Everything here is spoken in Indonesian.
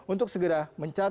untuk segera mencari penyelamat